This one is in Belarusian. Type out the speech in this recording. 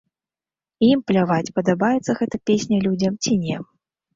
І ім пляваць, падабаецца гэта песня людзям ці не.